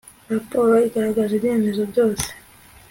raporo igaragaza ibyemezo byose